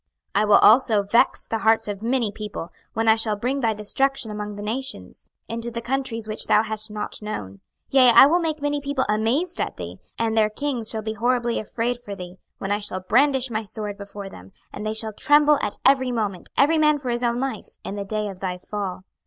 26:032:009 I will also vex the hearts of many people, when I shall bring thy destruction among the nations, into the countries which thou hast not known. 26:032:010 Yea, I will make many people amazed at thee, and their kings shall be horribly afraid for thee, when I shall brandish my sword before them; and they shall tremble at every moment, every man for his own life, in the day of thy fall.